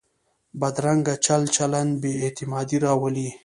بدرنګه چل چلند بې اعتمادي راولي